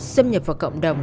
xâm nhập vào cộng đồng